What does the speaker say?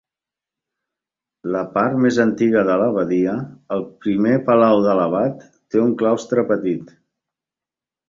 La part més antiga de l'abadia, el primer palau de l'abat, té un claustre petit.